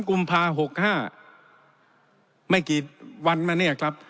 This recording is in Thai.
กุมภา๖๕ไม่กี่วันมาเนี่ยครับ